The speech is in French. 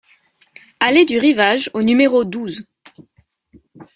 Allée du Rivage au numéro douze